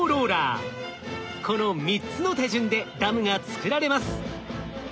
この３つの手順でダムが造られます。